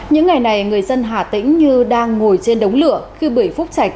những ngày này người dân hà tĩnh như đang ngồi trên đống lửa khi bể phúc chạch